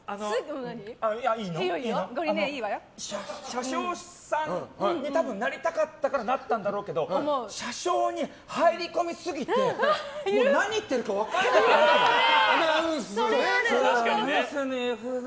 車掌さんになりたかったからなったんだろうけど車掌に入り込みすぎて何言っているか分からないアナウンス。